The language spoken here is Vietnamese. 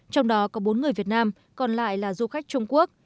trong đó có bốn người việt nam còn lại là du khách trung quốc